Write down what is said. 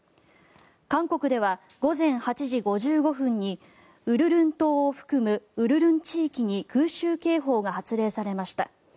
韓国では午前８時５５分に鬱陵島を含む鬱陵地域に空襲警報が発令されました。